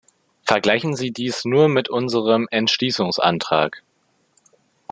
Vergleichen Sie dies nur mit unserem Entschließungsantrag.